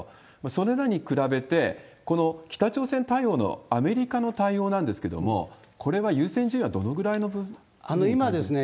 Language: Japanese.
それらに比べて、この北朝鮮対応のアメリカの対応なんですけれども、これは優先順位はどのぐらいあるんですか？